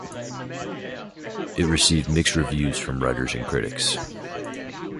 It received mixed reviews from writers and critics.